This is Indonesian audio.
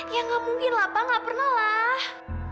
ya nggak mungkin lah pak nggak pernah lah